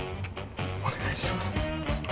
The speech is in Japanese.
・お願いします